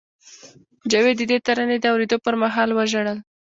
جاوید د دې ترانې د اورېدو پر مهال وژړل